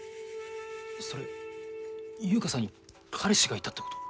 それ優香さんに彼氏がいたってこと？